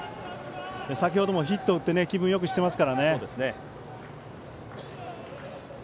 先程もヒットを打って気分よくしていますから。